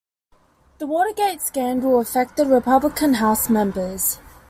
The Watergate scandal affected Republican House members.